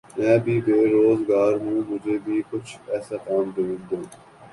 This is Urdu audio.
میں بھی بے روزگار ہوں مجھے بھی کچھ ایسا کام ڈھونڈ دیں